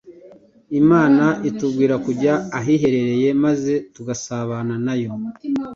Imana itubwira kujya ahiherereye maze tugasabana na Yo.